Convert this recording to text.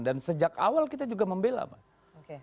dan sejak awal kita juga membela pak